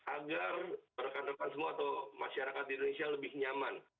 agar rekan rekan semua atau masyarakat di indonesia lebih nyaman